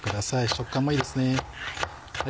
食感もいいですね。